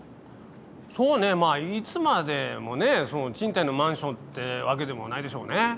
そうねまあいつまでもね賃貸のマンションってわけでもないでしょうね。